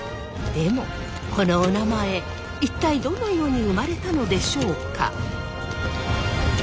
でもこのおなまえ一体どのように生まれたのでしょうか？